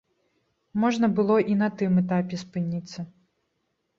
Можна было і на тым этапе спыніцца.